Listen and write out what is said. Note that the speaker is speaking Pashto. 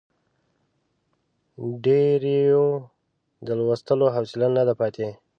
ډېریو د لوستلو حوصله نه ده پاتې.